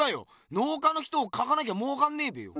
農家の人を描かなきゃもうかんねえべよ。